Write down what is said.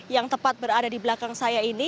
yang tepat berada di belakang saya ini